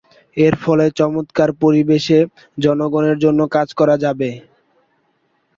এর ফলে চমৎকার পরিবেশে জনগণের জন্য কাজ করা যাবে।